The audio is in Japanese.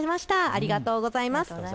ありがとうございます。